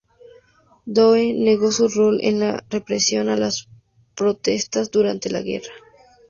Dao negó su rol en la represión a las protestas durante la guerra.